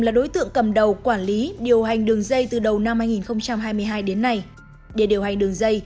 là đối tượng cầm đầu quản lý điều hành đường dây từ đầu năm hai nghìn hai mươi hai đến nay để điều hành đường dây